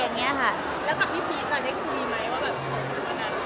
แล้วกับพี่พีชจะได้คุยไหมว่าแบบคุยวันนั้น